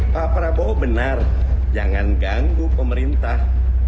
pak prabowo benar jangan ganggu pemerintah